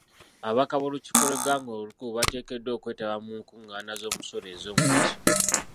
Ababaka b'olukiiko lw'eggwanga olukulu bateekeddwa okwetaba mu nkungaana z'omusolo ez'omugaso.